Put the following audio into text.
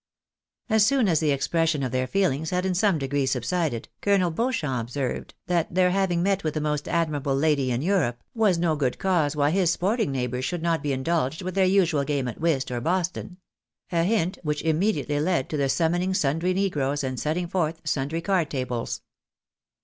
As soon as the expression of their feeUngs had in some degree subsided, Colonel Beaucharap observed, that their having met with the most admirable lady in Europe, was no good cause why his sporting neighbours should not be indulged with their usual game 200 THE BAENABYS IN AMEEICA, at whist, or Boston ; a Hnt wliich immediately led to tlie summon ing sundry negroes, and setting forth sundry card tables.